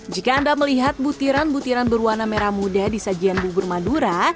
jika anda melihat butiran butiran berwarna merah muda di sajian bubur madura